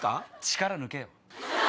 力抜けよ。